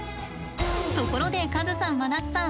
ところでカズさん真夏さん